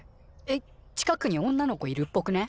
えっ近くに女の子いるっぽくね？